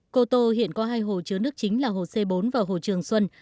cô tô hiện có hai hồ chứa nước chính là hồ c bốn và hồ trường xuân